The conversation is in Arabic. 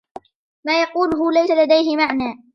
ما يقوله ليس لديه معنى.